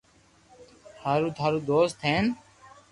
ھاري ٿارو دوست ھين